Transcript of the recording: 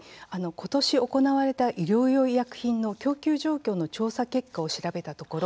今年行われた医療用医薬品の供給状況の調査結果を調べたところ